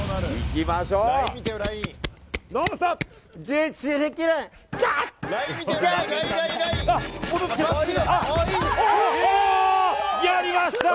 いきましょう。